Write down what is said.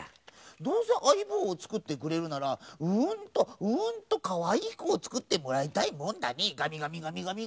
どうせあいぼうをつくってくれるならうんとうんとかわいいこをつくってもらいたいもんだねがみがみがみ。